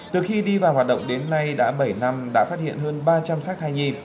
từ khi đi vào hoạt động đến nay đã bảy năm đã phát hiện hơn ba trăm linh sát thai nhi